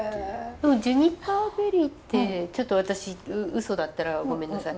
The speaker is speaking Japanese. でもジュニパーベリーってちょっと私うそだったらごめんなさい。